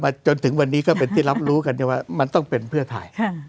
จนถึงวันนี้ก็เป็นที่รับรู้กันว่ามันต้องเป็นเพื่อไทย